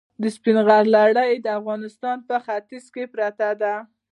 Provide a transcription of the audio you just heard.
د سپین غر لړۍ د افغانستان په ختیځ کې پرته ده.